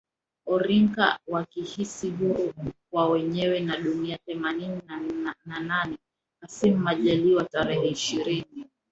orinka wakihisi huru kwa wenyewe na dunia Themanini na nane Kassim Majaliwa tarehe ishirini